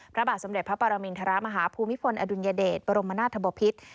พระบาทสมเด็จพระปรมินทรมาฮภูมิพลอดุลยเดชบรมนาธบพิษ